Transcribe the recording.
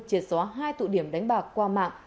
chìa sóa hai tụ điểm đánh bạc qua mạng